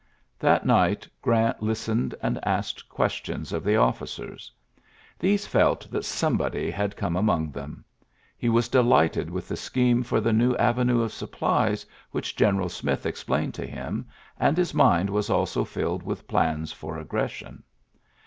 That night Grant listened, and asked questions of the officers. These felt that somebody had come among them. He was delighted with the scheme for the new avenue of supplies which General Smith explained to him, and his mind was also filled with plans for aggression.